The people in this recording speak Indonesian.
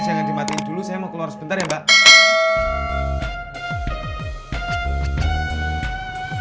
ps nya jangan dimatiin dulu saya mau keluar sebentar ya mbak